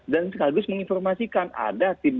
dan sekaligus menginformasikan